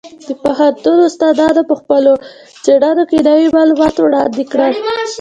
د پوهنتون استادانو په خپلو څېړنو کې نوي معلومات وړاندې کړل.